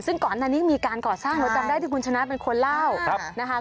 ซึ่งก่อนอันนี้มีการก่อสร้างเราจำได้ที่คุณชนะเป็นคนเล่านะคะ